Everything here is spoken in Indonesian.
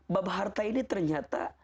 bab harta ini ternyata